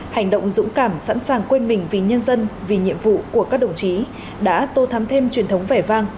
hành động dũng cảm sẵn sàng quên mình vì nhân dân vì nhiệm vụ của các đồng chí đã tô thắm thêm truyền thống vẻ vang